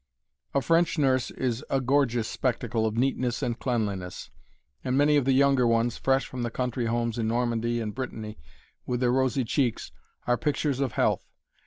A French nurse is a gorgeous spectacle of neatness and cleanliness, and many of the younger ones, fresh from country homes in Normandy and Brittany, with their rosy cheeks, are pictures of health.